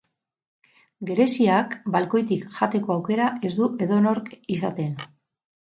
Gereziak balkoitik jateko aukera ez du edonork izaten.